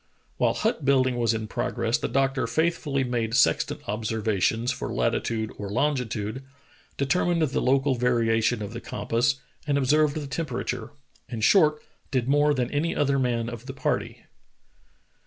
While hut building was in prog ress the doctor faithfully made sextant observations for latitude or longitude, determined the local variation of the compass, and observed the temperature — in short, did more than an}^ other man of the party.